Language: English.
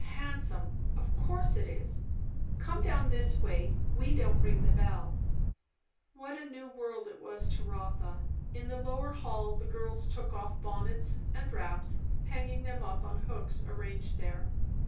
Handsome! of course it is. Come down this way; we don't ring the bell." What a new world it was to Rotha! In the lower hall the girls took off bonnets and wraps, hanging them up on hooks arranged there.